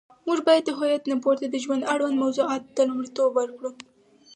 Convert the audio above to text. موږ باید د هویت نه پورته د ژوند اړوند موضوعاتو ته لومړیتوب ورکړو.